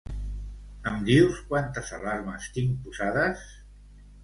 Em dius quantes alarmes tinc posades?